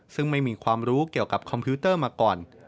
ซึ่งไม่มีความรู้เกี่ยวกับคอมพิวเตอร์มาก่อน